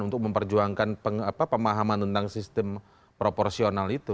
untuk memperjuangkan pemahaman tentang sistem proporsional itu